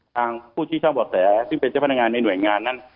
ทางผู้ที่เช่าบ่อแสซึ่งเป็นเจ้าพนักงานในหน่วยงานนั้น